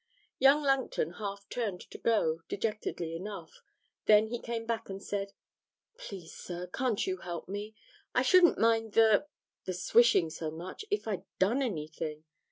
Young Langton half turned to go, dejectedly enough; then he came back and said, 'Please, sir, can't you help me? I shouldn't mind the the swishing so much if I'd done anything.